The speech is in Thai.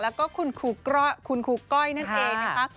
แล้วก็คุณครูก้อยนั่นเองนะคะ